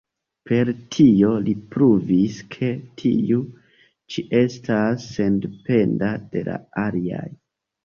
Per tio li pruvis, ke tiu ĉi estas sendependa de la aliaj.